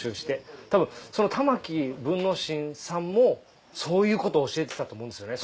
たぶんその玉木文之進さんもそういうことを教えてたと思うんですよね